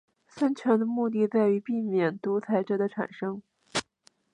分权的目的在于避免独裁者的产生。